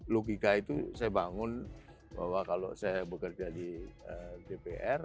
logika itu saya bangun bahwa kalau saya bekerja di dpr